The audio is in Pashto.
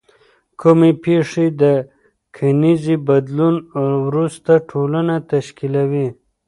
کومې پیښې د کلنیزې بدلون وروسته ټولنه تشکیلوي؟